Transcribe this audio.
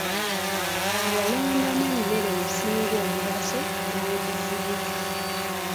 Yalondamu emmere esinga omugaso n'agiziika.